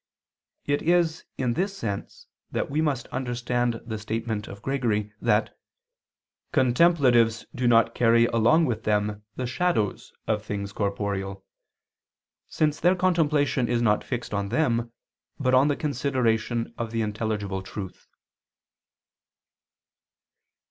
It is in this sense that we must understand the statement of Gregory that "contemplatives do not carry along with them the shadows of things corporeal," since their contemplation is not fixed on them, but on the consideration of the intelligible truth.